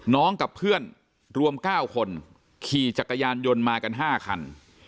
กับเพื่อนรวม๙คนขี่จักรยานยนต์มากัน๕คัน